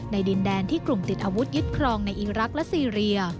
ดินแดนที่กลุ่มติดอาวุธยึดครองในอีรักษ์และซีเรีย